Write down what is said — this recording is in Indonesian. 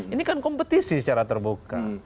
ini kan kompetisi secara terbuka